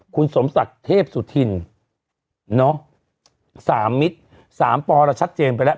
คุณสมศักดิ์เทพสุทินเนาะสามมิตรสามปอแล้วชัดเจนไปแล้ว